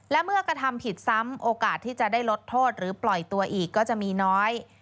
และเมื่อกระทำผิดซ้ำโอกาสที่จะได้ลดโทษหรือปล่อยตัวอีกก็จะมีน้อย